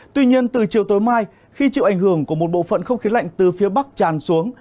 tuy nhiên từ chiều tối mai khi chịu ảnh hưởng của một bộ phận không khí lạnh từ phía bắc tràn xuống